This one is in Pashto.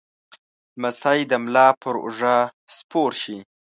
لمسی د ملا پر اوږه سپور شي.